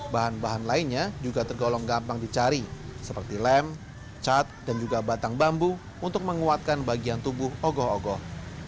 bahan bahan lainnya juga tergolong gampang dicari seperti lem cat dan juga batang bambu untuk menguatkan bagian tubuh ogoh ogoh